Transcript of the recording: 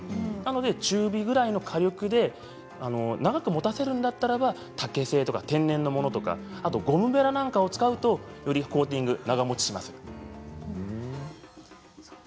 中火くらいの火力で長くもたせるのであれば竹製や天然のものゴムべらなんかを使うとよりコーティング、長もちします。